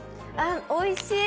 おいしい！